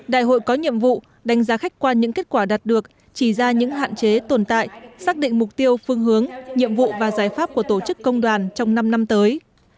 đại hội có nhiệm vụ đánh giá khách qua những kết quả đạt được chỉ ra những hạn chế tồn tại xác định mục tiêu phương hướng nhiệm vụ và giải pháp của tổ chức công đoàn trong năm năm tới